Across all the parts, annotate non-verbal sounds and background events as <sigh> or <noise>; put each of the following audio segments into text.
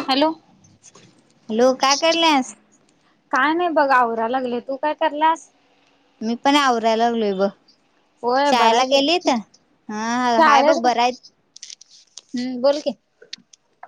Hello hello काय करल्यास. काय नाही बघ आवरा लागले तू काय करलास.. मी पण आवरायला लागलोय ब होय बराय शाळेला गेलीत हा हाय बघ शाळेत बरय हम्म बोल की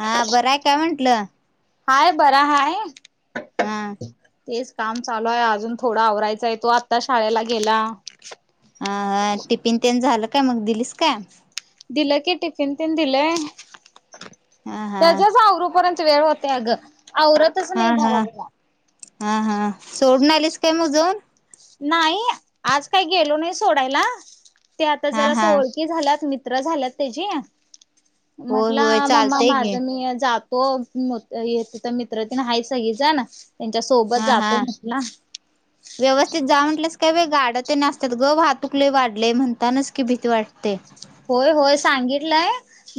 हा बरंय काय म्हंटलं. हाय बरा हाय.. हा तेच काम चालू आहे अजून थोडा आवरायचा आहे तो आत्ता शाळेला गेला. हा टिफिन ते झालं. काय मग दिलीस का दिलं की टिफिन तीन दिलंय. हा हा त्याच्याच आवरवरपर्यंत वेळ होते अगं. आऔवरातच हा नाही हा भरला हा हा सोडून आलीस काय मोजून. नाही आज काही गेलो नाही सोडायला. ते आता हा जरा अस हा ओळखी झाल्यात मी. झालं त्याजे होय होय म्हटलं मम्मा चालतय घे माझं मी. ओ मीमोट येत तिथ मित्र तेन हाय सगळी ज न त्यांच्या सोबत हा जातो म्हट ला ते जा म्हणटलंस काय वे गाडं तेन असतात ग वहातुकलेय वाढलेय म्हणतानाच की भीती वाटते होय होय सांगितलंय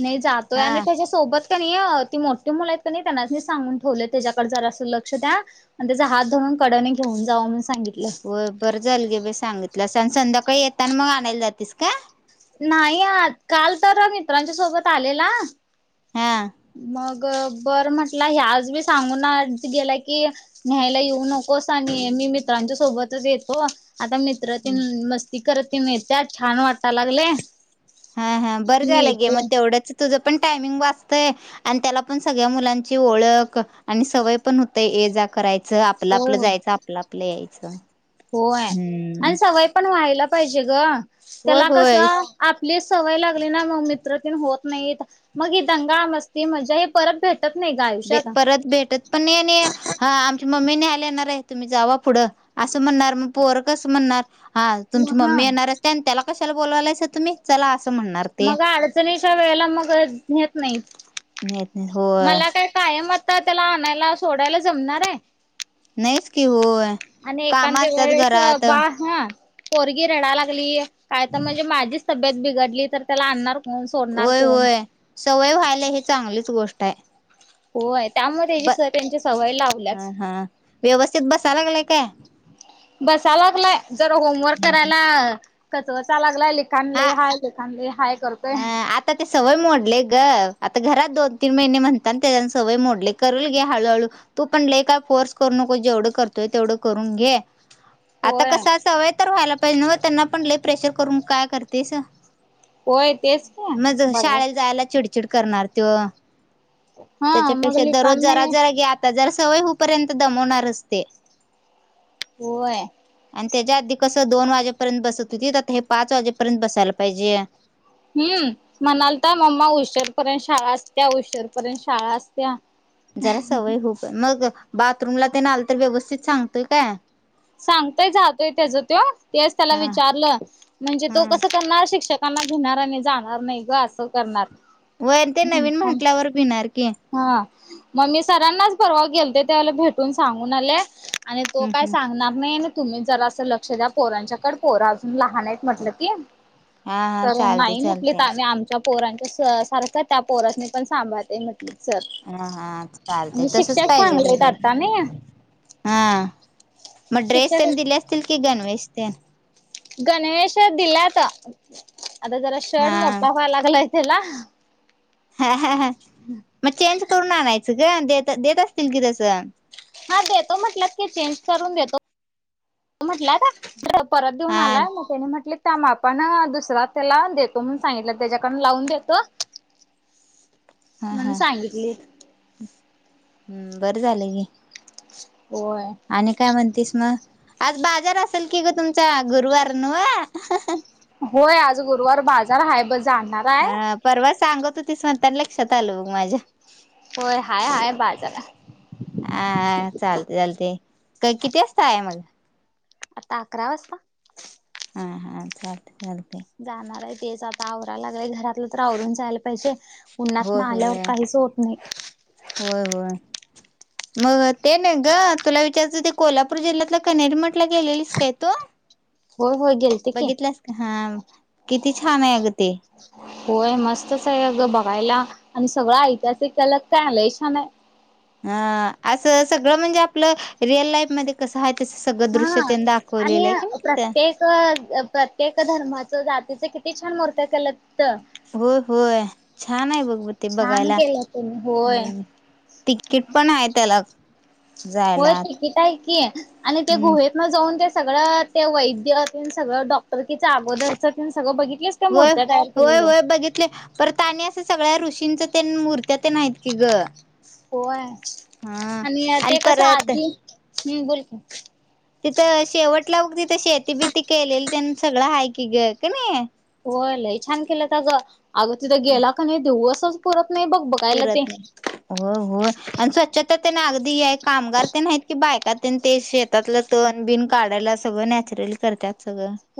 नही जातोय हा आणि त्याच्यासोबत त्यांनीओ ती मोठी मुल आहेत कनी त्यांनासनी सांगून ठेवले त्याच्याकडे जरासं लक्ष द्या अणि त्याचा हात धरून कडने घेऊन जावा म्हणून सांगितलं होइ बरं झाल गे बि सांगितलास <unintelligible> संध्याकाळी येताना मं आणायला जातेस का नाही आ काल तर मित्रांच्या सोबत आलेला हा मग ग बरं म्हटलं हे आज मी सांगून गेला की न्याहायला येऊ नकोस आणि मी मित्रांच्या सोबतच येतो. आता मित्र तिनं मस्त ती करत ती महत्या छान वाटा लागले हा हा बरं मी झालं गे येतो मग तेवढंच तुझं पण टायमिंग वाचतयं आणि त्याला पण सगळ्या मुलांची ओ ळख आणि सवय पण होतेय ये जा करायची- चं आपलं आपलं जायचं आपलं आपलं यायचं- <unintelligible> होययय हम्म आणि सवय पण व्हायला पाहिजे गं. होय त्याला होय कसंअअ आपले सवय लागली ना मं मित्रतेनं होत नाही मग ही दंगा मस्ती मजा हे परत भेट दे परत भेटत पण नाही नी हा आमची मम्मी नाही आ येणारेय तुम्ही जावा पुढं असं म्हणणार म पोरं कसं म्हणणार- हालं तुमची मग हा मम्मी येणार असते आणि त्याला कशाला बोवायलायंसां तम्ही चला असं म्हणणार ते मग आडचणीच्या वेळेला मगअ न्हेत नाहीतं <unintelligible> मला काय कायमअ ता तेला आणायला सोडायला जमणार आये नाहीच कि ओओ काम एखाद्या असतात वेळेस घरात बा हा पोरगी रडा लागलीय काय पण म्हणजे माझीच तब्येत बिघडली तर त्याला आणणार ओ होय होय सवय व्हायला ही चांगलीच गोष्ट ठाय होय त्यामुळे त्याची त्यांची सवय हा लावल्याच हा व्यवस्थित बसयलागलाय काय बसा लागलाय जर होमवर्क करायला कचवचाय लागलय काम हा लय हाय करतोय आता ते सवय मोडले ग आता घरात दोन तीन महिने म्हणतान सवय मोडली करल घे हळूहळू तू पण लय काय फोर्स करू नको जेवढं करतोय तेवढं करून घे आता होय कसं सवय तर व्हायला त्यांना पण लय प्रेशर करून काय करतेस होय तेच का मला? चिडचीड करणार तो हा मग त्याच्यापेक्षा दररोज लिखाण जरा नाही जरा गे आता जरास सवयहूपर्यंत दमवणार च ते. होय. आणि त्याच्या आधी कसं दोन वाजेपर्यंत बसत होती तर हे पाच वाजेपर्यंत बसायला पाहिजे. हम्म म्हणाल तर, मम्मा उशीरपर्यंत शाळा असत्या उशीरपर्यंत शाळा असत्या. जरा सवय होउ पण मग बाथरूमला ते नाय आलं तर व्यवस्थित सांगतोय काय? सांगतोय जातोय, त्याच तो तेच त्याला हा विचारलं म्हणजे तो हा कस करणार शिक्षक कांना घेणार आणि जाणार नाही ग असं करणार. होय ते नवीन म्हंटल्यावर भिणार की. हा मग मी सरांनाच परवा गेल ते त्यावेळी भेटून सांगून आले. आणि तो काय हम्म सांगणार नाही आणि तुम्ही जरा असं लक्ष द्या पोरांच्याकडे, पोरं अजून लहान आहेत म्हटलं की हा हा तर चालते नाही म्हटले चालते तर आम्ही आमच्या पोरांच्या सारखं त्या पोरास्नी पण सांभाळते सर हा हा चालते आणि तसच शिक्षक पाहिजे चांगले घे आहेत आता नाही हा. मग ड्रेस त्यांनी दिले शिक्षक असतील कि गणवेश? तन <inaudible> गणवेश दिल्यात. आता जरा शर्ट मोठा व्हायला लागलाय. त्याला हा ह हा मग चेंज करून आणायचं ग द देत असतील की तसं. हा देतो म्हटलं की चेंज करून देतो, म्हटला था परत हा देऊन आलाय मग त्यानी म्हटले प त्या मापण दुसरा त्याला देतो म्हणून सांगितलं त्याच्याकन लावून देतो हा म्हण हा सांगितली. बरं झालंय गी <inaudible> आणि काय म्हणतीस मग? आज बाज बाजार असल की तुम चा गुरवारनवा. जार हाय बग. जाणणार आहे. सांगत होते स्वतः ला लक्षात आल बग माझ्या. होय हाय हाय बाजारात. हा चालते चालते. त किती वाजता आहे मग. आता अकरा वाजता. हा हा चालत चालत. जाणार आहेत. तेच आता आवरायला लागलेय घरातलं तर आवरून झालय. जे उन्हात होय ना आल्यावर होय. काहीच होत नाही. होय होय. मग ते नाही ग तुला विचारतं ते कोल्हापूर जिल्ह्यातला कनेरी मठला गेलेलीस काय तू. होय होय गेलते की बघितलंस का हा किती छान आहे अग ते. होय मस्तच आहे अग बघायला आणि सगळं ऐतिहासिक त्याला काय आलंय छान आहे. हा असं सगळं म्हणजे आपलं रिअल लाईफ मध्ये कस आहेत. हा आणि तिथं. प्रत्येक प्रत्येक धर्मा. जातीच किती छान मूर्त केल्यात. होय होय छान आहे बघ ते छान बघायला केलं तुम्ही होय हो. किटपण आहे त्याला. होय जायला. तिकीट आहे की आणि ते हम्म गुहेत ना जाऊन त्या. सगळं ते वैदयतून सगळं डॉक्टरकीच्या अगोदरच सगळं बघित. होय होय होय बघितले परत आणि असं सगळ्या ऋषी. किंच त्या मूर्त्या ते आहेत की ग. हो आहे. हा आणि ते कसं परत आधी. हम्म बोल कि. तिथं शेवटला बघ तिथं शेती बीती केलेली ततेन सगळं हाय कि ग कणी. होय लई छान केलं तर ग अगं तिथं गेला का नाही दिवस. पुरतं. नाही बघ बघायला ते. पुरत नाही हो हो आणि स्वच्छता त्यांना अगदी हे. कामगार तेन आहीत की बाय. त्यात ते शेतातलं तण बिन काढायला सगळं नॅचरल करत्यात.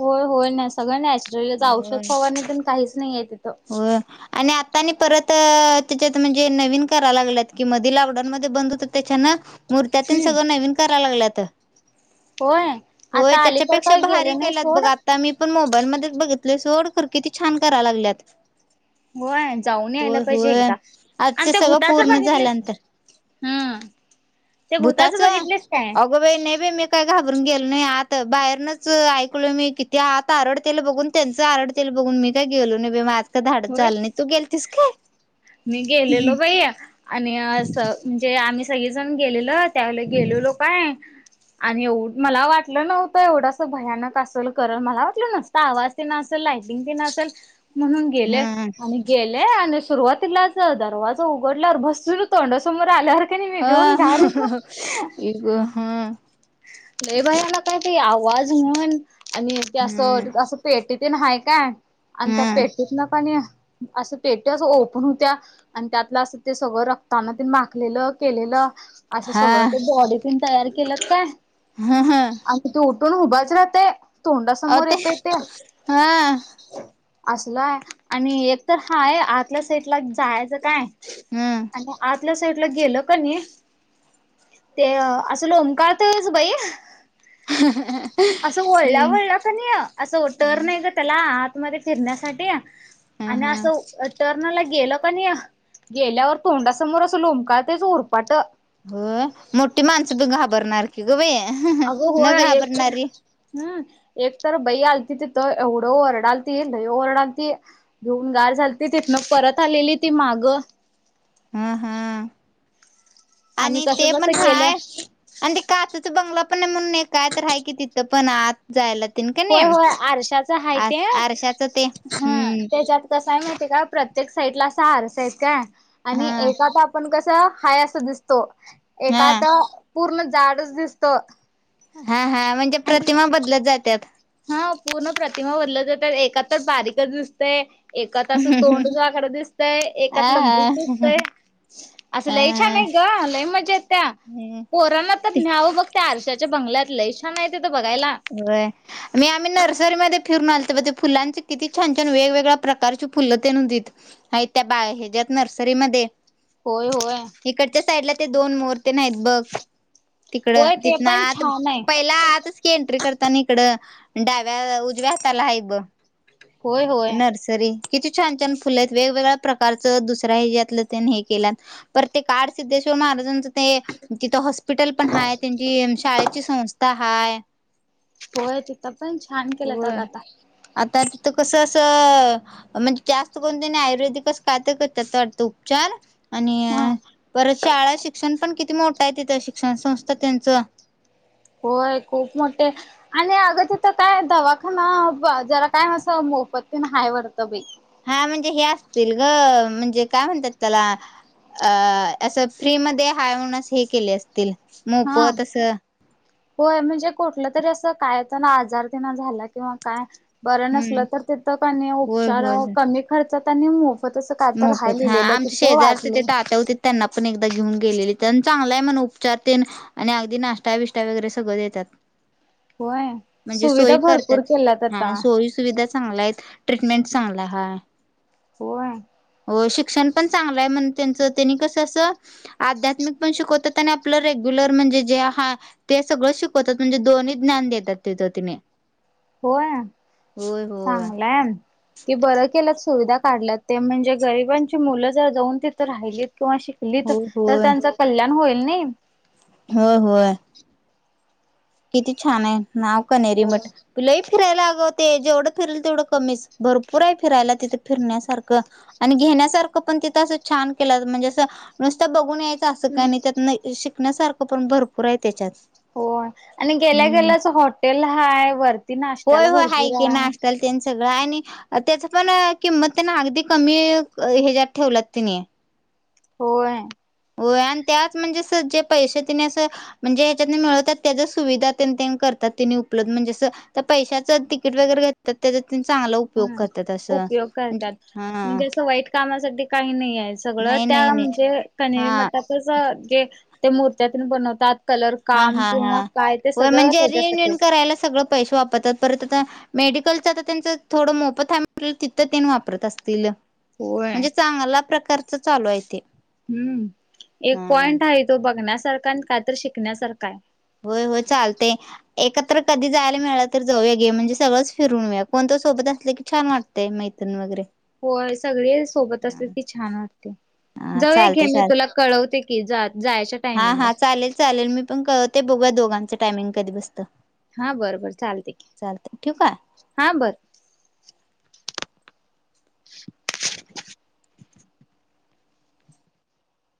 होय होय सगळं नॅचर औषध फवारनि काहीच नाही आयेत. होय आणि आता- आता नी परत त्याच्यात म्हणजे, नवीन करा लागल्यात की मधी लॉकडाऊन मध्ये बंद होत त्याच्यान मुर्त्या तेन हम्म सगळं नवीन कराय लागल्यात त. होय होय, आता अलीकड त्याच्यापेक्षा काही भारी गेलं नाही केल्यात बघ सोड आता मी पण मोबाईलमध्ये बघितलोय सोड, खरं किती छान करा लागल्यात. - <inaudible> होय, जाऊन आयला पाहिजे एकदा आजच आणि त्या सगळं भूताच पूर्ण बघितलेस, झाल्यानंतर हम्, ते भूताच भूताचं बघितलेस काय? अगं बाई नाही बाई मी काय गेलो नाही आत, बाहेरनच ऐकलोय मी, किती आत आरडतेल बघून त्यांच आरडतेल बघून मी काय गेलो नाही बाई काय धाडच होय झालं नाही तू गेलतीस काय मी गेलेलो, बाई आणि अस म्हणजे आम्ही सगळी जण गेलेलोत. त्याला गेलोलो काय? आणि मला वाटलं नव्हतं, एवढं अस भयानक असल करल मला वाटलं नसता आवाज तेन असल लायटिंग तेन असलं म्हणु गेले हम्म आणि गेले. आणि सुरुवातीलाच दरवाजा उघडल्यावर भसून तोंड समोर आल्यावर का नाही मी भिऊन हह.. गारच आई ग ह.. लई भयानक हाय ते आवाज म्हण आणि ते असं हम्म असं पेटी ते हाय काय. अनता हम्म पेटी काणी असं पेटी अस ओपन होत्या, आणि त्यातलं असं ते सगळं रक्तान ते माकलेलं केलेलं असं हा सगळं ते बॉडी- तम तयार केलात काय ह ह आणि त तू पण हुभच राहते. तोंडासमोर येतय ते. हा अस- आणि एक तर हाय आतल्या साईटला जायचं काय हम्म आणि आज आपल्या साईडला गेलं की नाही ते असं लोमकाळतयच बाई असं वळला वळला की नी असं टर्न हाय ग त्याला आ मग फिरण्यासाठी ते ह आणि ह असं तरर्नाला गेलं का नाही गेल्यावर तोंडासमोर अस लोंबकाळतेच उरपाट शठीग भ आहे अगं न होय एक तर घाबरणारी हम्म एक तर बई आलती तिथं एवढं ओरडाल त लही ओरडालती धुऊन गार झालती तिथन परत आलेली ती माग हम हम् आम्ही आणि ते कसं पण कसं गेलं हाय आणि ते काचचा बंगला पण आहे म्हणून काय तर राहाय की तिथं पण आत जायला तेन कणी होय होय आरशाच आहे ते आरशाचं ते ह हम्म त्याच्यात कस काय माहितीय का प्रत्येक साईडला असा हारस आहे आहेत का आणि हा एकाता आपण कस हा अस दिसतो हा एका तर पूर्ण झाडच दिसत हा हा म्हणजे प्रतिमा बदलत जातात हा पूर्ण प्रतिमा भरल्या जातात एका तर बारीकच दिसतय एकाात असं तोंडचा आकड दिसतय हा एात हा लंबूस दिसतय असं हा लई छान हा आहे ग लई मजा येत त्या पोरांना तर न्यावं बघत त्या आरश्याच्या बंगल्यातलं ान माहि बघयला होय मी आम्ही नर्सरीमध्ये फिर फुलांचे किती छान छान वेगवेगळ्या प्रकारची फुलं न होतीत त्या बा हच्यात नर्सरीमध्ये होय होय इकडच्या साईडला ते दोन मोर्ते नाहीत बघ तिकड होय ते तिथन पण आत छान आहे पहिला आतच एंट्री करतानी इकडं डाव्या उजव्या हाताला हाय बघ होय होय नर्सरी किती छान छान फुले आहेत वेगवेगळ्या प्रकारचं दुसऱ्या ही जातल तेन हे केल्यात पर ते काड सिद्धेश्वर महाराजांच ते तिथं हॉस हॉस्पिटल पण हायत्यांची शाळेत चि संस्था हाय हो तिथ होय आता तिकस असंसस म्हणजे जास्त करून त्यांनी आयुर्वेदिकच काय ते करत्यात वाटतं उपचार हा आणि परत शाळा शिक्षण पण किती मोठा आहे तिथं शिक्षण संस्था त्यांचं होय खूप मोठे आणि अगं तिथं काय दवाखाना ब जरा काय असं मोफत तेन हाय वाटतं बाई हा म्हणजे हे असतील ग म्हणजे काय म्हणतात त्याला अ असं फ्री मध्ये हाय म्हण अस हे केले असतील. हा मोफत असं होय म्हणजे कुठलं तरी असं काय पण आजार त्यांना झाला किंवा काय बरं हम्म नसलं तर तिथं क नही होय उपचार होय कमी खर्चात तनीमु मोफत हा आम शेजार ते तात्या होते त्यांना पण एकदा घेऊन गेलेली तर चांगलंय आहे म्हण उपचार तेन आणि अगदी नाष्टा विष्टा वगैरे सगळं देतात. होय म्हणजे सुविधा सोयी भरपूर करतात केल्यात हा आता सोयी सुविधा चांगल्या आहेत. ट्रीटमेंट चांगला हाय होय हो शिक्षण पण चांगलं आहे म्हण त्यांच तनी कसं अस आध्यात्मिक पण शिकवतात आणि आपलं रेग्युलर म्हणजे जे हा ते सगळं शिकवतात म्हणजे दोन्ही ज्ञान देतात तिथं तिने होय होय होय. चांगलं ती बर केल्यात सुविधा काढल्या ते म्हणजे गरिबांची मुलं जर जाऊन तिथं राहिली किंवा शिकलीत तर त्यांच कल्याण होईल. नही हो होय किती छान आहे. नाव कनेरी मठ तुलाही फिरायला आग ते जेवढं फिरल तेवढं कमीच भरपूर आहे फिरायला तिथं फिरण्यासारखं आणि घेण्यासारखं पण तिथं असं छान केलं म्हणजे असं नुसत बघून याय असं काय हम्म नही नही शिकण्यासारखं पण भरपूर आहे त्याच्यात हो आणि गेल्या हम्म गेल्याच हॉटेल हाय वरती होय नाश्त्याला होय भरपूर की आहे. नाश्त्याला तेन सगळं आणि त्याच पण किंमत त्यांना अगदी कमी हच्यात ठेवलात त्यानी होय होय आणि त्याच म्हणजे स जे पैसे तिने असं म्हणजे ह्याच्यात मिळत त्याच्या सुविधा त्यां करतात त्यांनी उपलब्ध म्हणजे पैशाचं तिकीट वगैरे घेतात त्या हम उपयोग करतात हा म्हणजे असं वाईट कामासाठी काही नाही आहे सगळ नाही त्या नाही नाही म्हणजे कनेरी हा मटाचच जे ते मूर्त्यातून बनवतात कलर हा काम हा हा किंवा काय ते हो सगळं म्हणजे रिन रण त्याच्यासाठीच करायला सगळं पैसे वापरतात परत मेडिकलच त्यांच थोडं मोफ थ तिथं त्यां वापरत असतील होय. म्हणजे चांगला प्रकार चालू आहे ते हम्म एक हा पॉइंट आहे तो बघण्यासारखा कायत शिक शिकण्यासारखं तर कधी जायला मिळाला तर जाऊया घे म्हणजे सगळंच फिरूनया कोणत सोबत असलं की छान वाटतय मैत्र्री वगैरे हो सगळे सोबत असते की छान वाटते हा जाऊया घे चालते मी चाल तुला कळवते की जायच्या टायमिंगला ते बघ दोघांचं टायमिंग कध बसतं हा बरं बर चालते चालतंय ठेवू का? हा बर